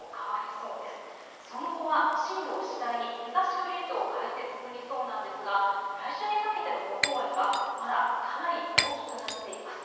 その後は進路を次第に東寄りへと変えて進みそうなんですが来週にかけての予報円がまだかなり大きくなっています。